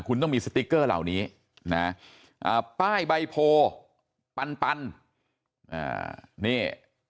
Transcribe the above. คุณต้องมีสติ๊กเกอร์เหล่านี้นะฮะอ่าป้ายใบโผล่ปันอ่านี่